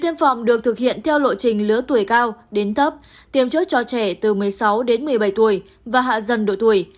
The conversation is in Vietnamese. tiêm phòng được thực hiện theo lộ trình lứa tuổi cao đến thấp tiêm trước cho trẻ từ một mươi sáu đến một mươi bảy tuổi và hạ dần độ tuổi